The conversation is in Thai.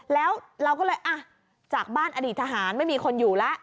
แล้วเราก็เลยอ่ะจากบ้านอดีตทหารไม่มีคนอยู่แล้ว